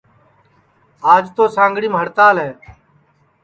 آج توسانگڑیم ہڑتال